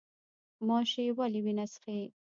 ماشی ولې وینه څښي؟